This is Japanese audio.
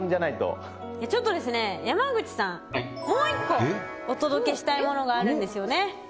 ちょっとですね山口さんもう１個お届けしたいものがあるんですよね？